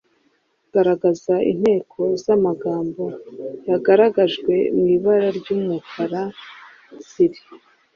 Garagaza inteko z’amagambo yagaragajwe mu ibara ry’umukara tsiri.